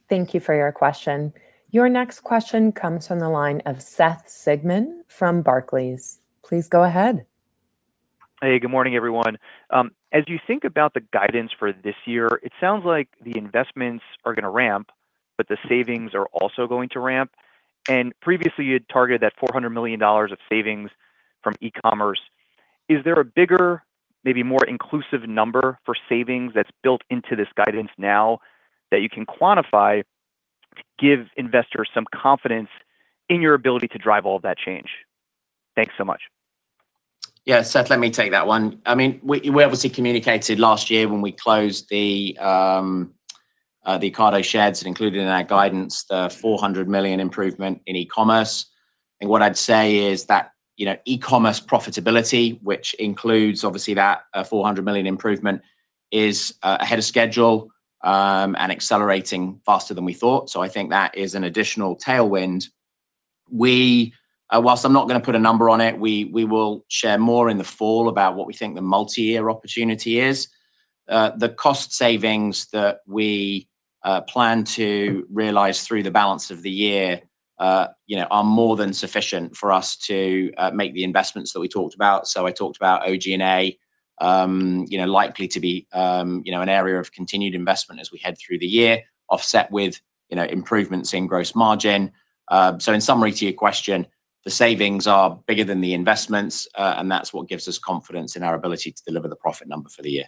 Thank you for your question. Your next question comes from the line of Seth Sigman from Barclays. Please go ahead. Hey, good morning, everyone. As you think about the guidance for this year, it sounds like the investments are going to ramp, but the savings are also going to ramp. Previously you'd targeted that $400 million of savings from eCommerce. Is there a bigger, maybe more inclusive number for savings that's built into this guidance now that you can quantify to give investors some confidence in your ability to drive all of that change? Thanks so much. Yeah, Seth, let me take that one. We obviously communicated last year when we closed the Ocado sheds and included in our guidance the $400 million improvement in eCommerce. I think what I'd say is that eCommerce profitability, which includes obviously that $400 million improvement, is ahead of schedule and accelerating faster than we thought. I think that is an additional tailwind. Whilst I'm not going to put a number on it, we will share more in the fall about what we think the multi-year opportunity is. The cost savings that we plan to realize through the balance of the year are more than sufficient for us to make the investments that we talked about. I talked about OG&A likely to be an area of continued investment as we head through the year, offset with improvements in gross margin. In summary to your question, the savings are bigger than the investments, and that's what gives us confidence in our ability to deliver the profit number for the year.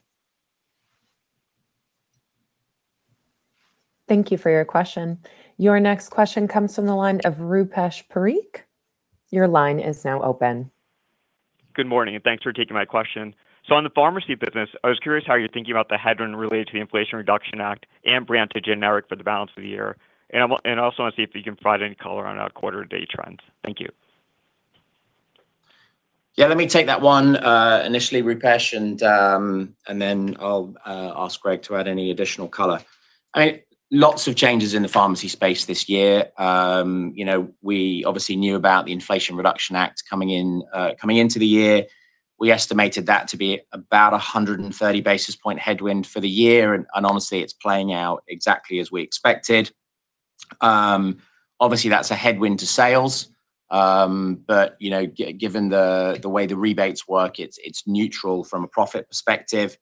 Thank you for your question. Your next question comes from the line of Rupesh Parikh. Your line is now open. Good morning, and thanks for taking my question. On the pharmacy business, I was curious how you're thinking about the headwind related to the Inflation Reduction Act and brand to generic for the balance of the year. I also want to see if you can provide any color on quarter-date trends. Thank you. Yeah, let me take that one initially, Rupesh, and then I'll ask Greg to add any additional color. Lots of changes in the pharmacy space this year. We obviously knew about the Inflation Reduction Act coming into the year. We estimated that to be about 130 basis point headwind for the year, honestly, it's playing out exactly as we expected. Obviously, that's a headwind to sales. Given the way the rebates work, it's neutral from a profit perspective.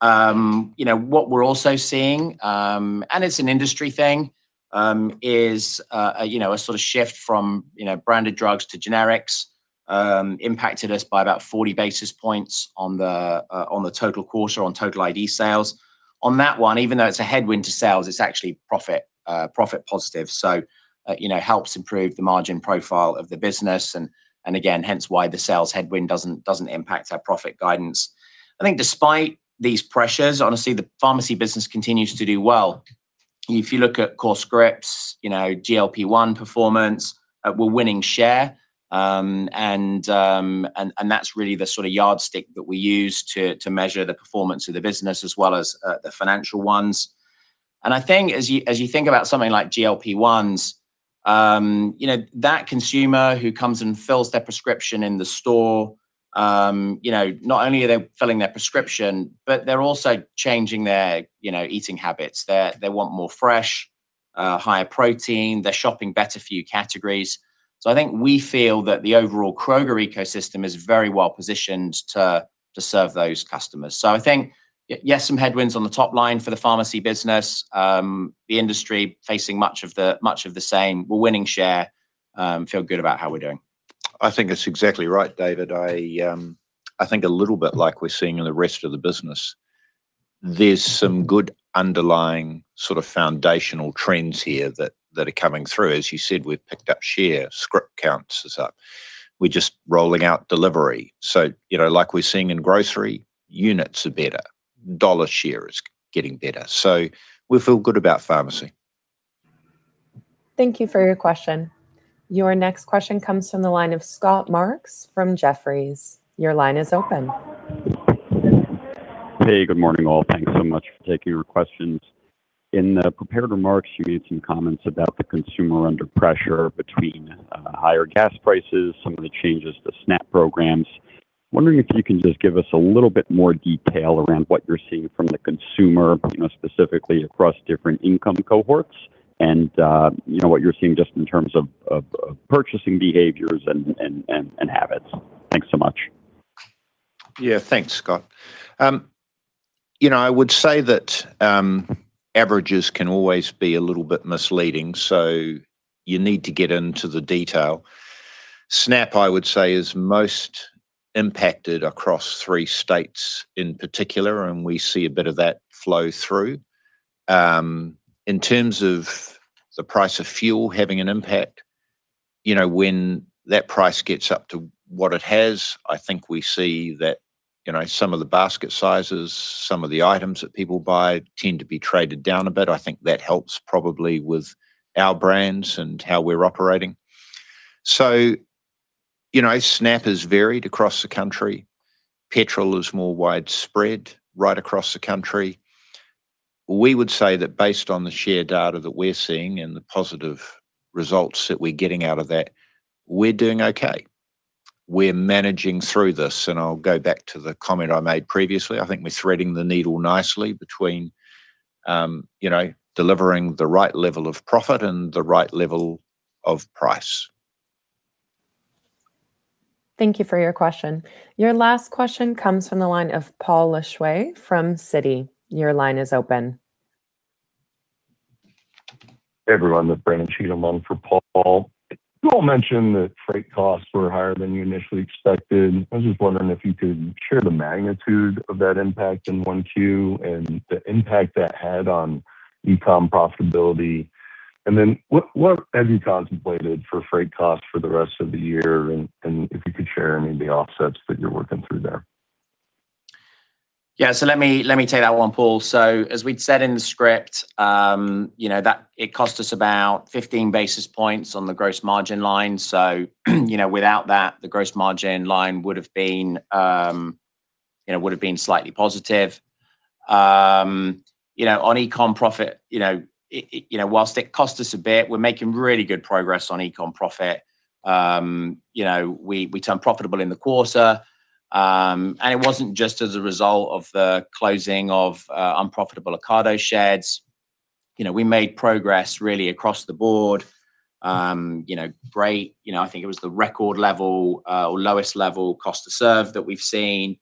What we're also seeing, and it's an industry thing, is a shift from branded drugs to generics impacted us by about 40 basis points on the total quarter, on total identical-store sales. On that one, even though it's a headwind to sales, it's actually profit positive, so helps improve the margin profile of the business. Again, hence why the sales headwind doesn't impact our profit guidance. I think despite these pressures, honestly, the pharmacy business continues to do well. If you look at core scripts, GLP-1 performance, we're winning share, and that's really the yardstick that we use to measure the performance of the business as well as the financial ones. I think as you think about something like GLP-1s, that consumer who comes and fills their prescription in the store, not only are they filling their prescription, but they're also changing their eating habits. They want more fresh, higher protein. They're shopping better-for-you categories. I think we feel that the overall Kroger ecosystem is very well-positioned to serve those customers. I think, yes, some headwinds on the top line for the pharmacy business. The industry facing much of the same. We're winning share, feel good about how we're doing. I think that's exactly right, David. I think a little bit like we're seeing in the rest of the business. There's some good underlying foundational trends here that are coming through. As you said, we've picked up share, script counts is up. We're just rolling out delivery. Like we're seeing in grocery, units are better, dollar share is getting better. We feel good about pharmacy. Thank you for your question. Your next question comes from the line of Scott Marks from Jefferies. Your line is open. Hey, good morning, all. Thanks so much for taking the questions. In the prepared remarks, you made some comments about the consumer under pressure between higher gas prices, some of the changes to SNAP programs. Wondering if you can just give us a little bit more detail around what you're seeing from the consumer, specifically across different income cohorts, and what you're seeing just in terms of purchasing behaviors and habits. Thanks so much. Thanks, Scott. I would say that averages can always be a little bit misleading, so you need to get into the detail. SNAP, I would say, is most impacted across three states in particular, and we see a bit of that flow through. In terms of the price of fuel having an impact, when that price gets up to what it has, I think we see that some of the basket sizes, some of the items that people buy tend to be traded down a bit. I think that helps probably with Our Brands and how we're operating. SNAP is varied across the country. Petrol is more widespread right across the country. We would say that based on the share data that we're seeing and the positive results that we're getting out of that, we're doing okay. We're managing through this. I'll go back to the comment I made previously. I think we're threading the needle nicely between delivering the right level of profit and the right level of price. Thank you for your question. Your last question comes from the line of Paul Lejuez from Citi. Your line is open... Hey, everyone. The brand team along for Paul. You all mentioned that freight costs were higher than you initially expected. I was just wondering if you could share the magnitude of that impact in one Q, and the impact that had on eCom profitability. What have you contemplated for freight costs for the rest of the year? If you could share any of the offsets that you're working through there. Yeah. Let me take that one, Paul. As we'd said in the script, it cost us about 15 basis points on the gross margin line. Without that, the gross margin line would've been slightly positive. On eCom profit, whilst it cost us a bit, we're making really good progress on eCom profit. We turned profitable in the quarter. It wasn't just as a result of the closing of unprofitable Ocado sheds. We made progress really across the board. Great, I think it was the record level, or lowest level cost to serve that we've seen.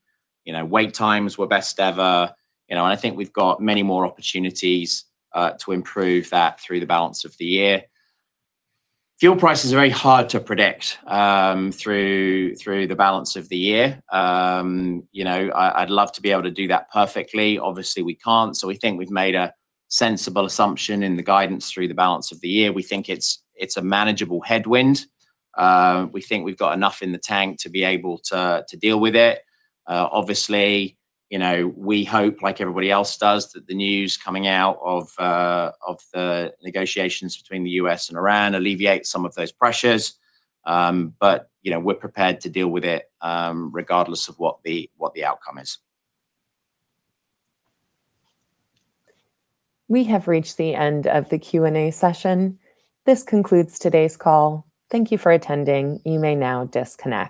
Wait times were best ever, and I think we've got many more opportunities to improve that through the balance of the year. Fuel prices are very hard to predict through the balance of the year. I'd love to be able to do that perfectly. Obviously, we can't, so we think we've made a sensible assumption in the guidance through the balance of the year. We think it's a manageable headwind. We think we've got enough in the tank to be able to deal with it. Obviously, we hope, like everybody else does, that the news coming out of the negotiations between the U.S. and Iran alleviates some of those pressures. We're prepared to deal with it regardless of what the outcome is. We have reached the end of the Q&A session. This concludes today's call. Thank you for attending. You may now disconnect.